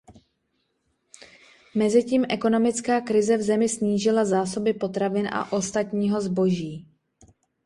Mezitím ekonomická krize v zemi snížila zásoby potravin a ostatního zboží.